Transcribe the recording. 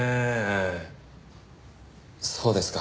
そうですか。